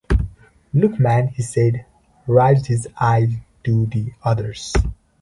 'Look, man,' he said, raising his eyes to the others.